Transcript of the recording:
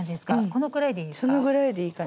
このくらいでいいですか？